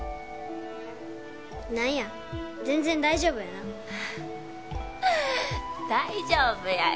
何や全然大丈夫やな大丈夫やよ